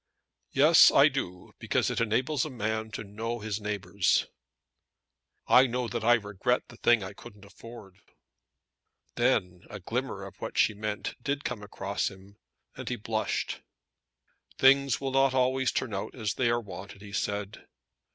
"Yes I do, because it enables a man to know his neighbours." "I know that I regret the thing I couldn't afford." Then a glimmer of what she meant did come across him, and he blushed. "Things will not always turn out as they are wanted," he said.